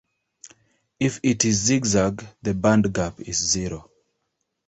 If it is "zig-zag", the bandgap is zero.